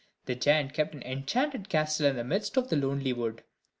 The giant kept an enchanted castle in the midst of a lonely wood.